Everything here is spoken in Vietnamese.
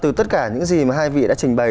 từ tất cả những gì mà hai vị đã trình bày